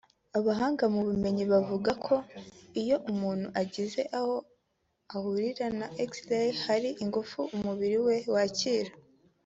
Abahanga mu bumenyi bavuga ko iyo umuntu agize aho ahurira na X-Ray hari ingufu umubiri we wakira